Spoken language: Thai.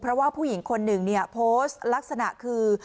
เพราะว่าผู้หญิงคนหนึ่งเนี่ยโพสต์ลักษณะคือ